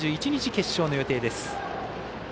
３１日決勝の予定です。